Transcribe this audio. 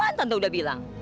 apaan tante udah bilang